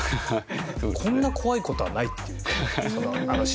こんな怖い事はないっていうか。